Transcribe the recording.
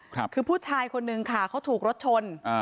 คือผู้ชายคนนึงค่ะเขาถูกรถชนอ่า